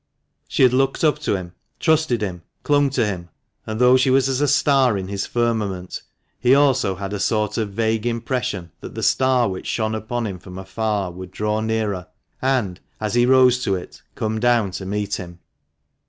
She had looked up to him, trusted him, clung to him ; and though she was as a star in his firmament, he had had a sort of vague impression that the star which shone upon him from afar would draw nearer, and, as he rose to it, come down to meet him.